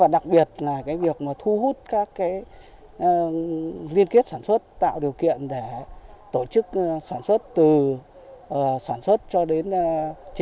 đặc biệt là việc thu hút các liên kết sản xuất tạo điều kiện để tổ chức sản xuất từ sản xuất cho đến chế biến và tiêu thụ sản phẩm